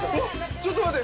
ちょっと待って。